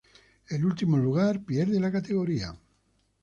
El último lugar pierde la categoría.